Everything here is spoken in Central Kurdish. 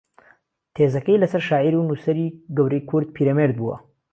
تێزەکەی لەسەر شاعیر و نووسەری گەورەی کورد پیرەمێرد بووە